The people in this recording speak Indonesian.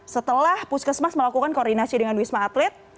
setelah puskesmas melakukan koordinasi dengan wisma atlet